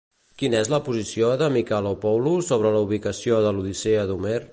Quina és la posició de Michalopoulos sobre la ubicació de l'Odissea d'Homer?